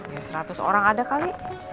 ya seratus orang ada kali